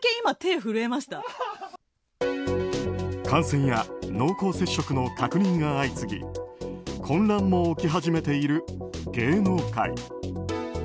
感染や濃厚接触の確認が相次ぎ混乱も起き始めている芸能界。